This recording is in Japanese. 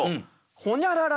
「ホニャララ